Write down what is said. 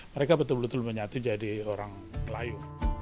mereka betul betul menyatu jadi orang melayu